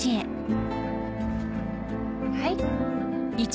はい。